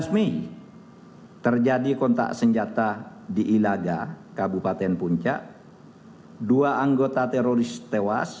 tujuh belas mei terjadi kontak senjata di ilaga kabupaten puncak dua anggota teroris tewas